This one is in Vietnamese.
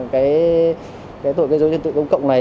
cái tội gây dấu trật tự công cộng này